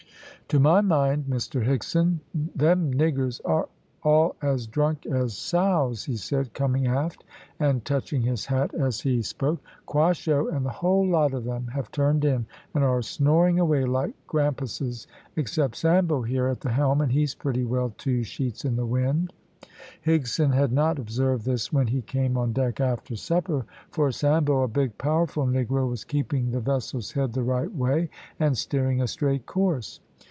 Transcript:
"To my mind, Mr Higson, them niggers are all as drunk as sows," he said, coming aft, and touching his hat as he spoke. "Quasho and the whole lot of them have turned in, and are snoring away like grampusses, except Sambo here at the helm, and he's pretty well two sheets in the wind." Higson had not observed this when he came on deck after supper, for Sambo, a big, powerful negro, was keeping the vessel's head the right way, and steering a straight course.